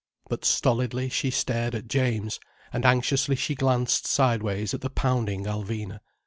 But stolidly she stared at James, and anxiously she glanced sideways at the pounding Alvina.